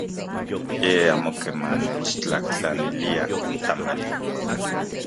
Ye amo keman nechtlajtlanilia tamali.